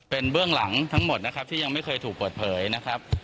เป็นเบื้องหลังทั้งหมดนะครับที่ยังไม่เคยถูกเปิดเผยนะครับ